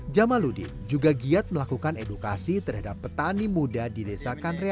jamaludin juga giat melakukan edukasi terhadap petani muda di desa kanrea